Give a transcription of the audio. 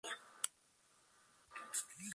Su canción "Stand".